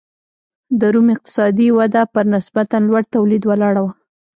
د روم اقتصادي وده پر نسبتا لوړ تولید ولاړه وه